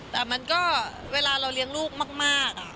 แต่มันเวลาเรารียงลูกมาก่ะ